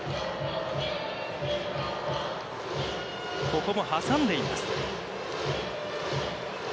ここも挟んでいます。